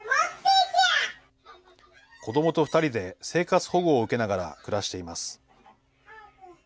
子どもと２人で生活保護を受けながら暮らしています。